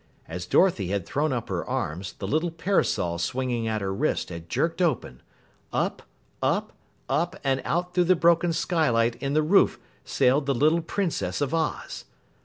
As Dorothy had thrown up her arms, the little parasol swinging at her wrist had jerked open. Up, up, up, and out through the broken skylight in the roof sailed the little Princess of Oz!